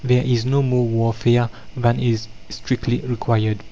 There is no more warfare than is strictly required.